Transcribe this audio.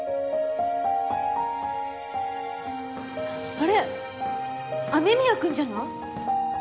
あれ雨宮くんじゃない？